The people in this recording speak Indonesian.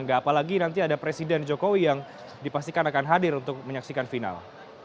apalagi nanti ada presiden jokowi yang dipastikan akan hadir untuk menyaksikan final